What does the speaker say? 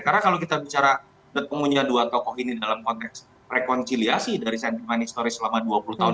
karena kalau kita bicara ketemunya dua tokoh ini dalam konteks rekonsiliasi dari sentimen historis selama dua puluh tahun